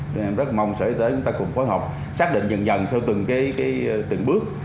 nên em rất mong sở y tế chúng ta cùng phối hợp xác định dần dần theo từng bước